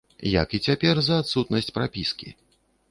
Як і цяпер за адсутнасць прапіскі.